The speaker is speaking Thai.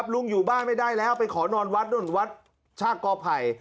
อยู่บ้านไม่ได้แล้วไปขอนอนวัดนู่นวัดชาติกอไผ่